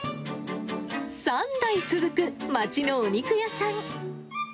３代続く町のお肉屋さん。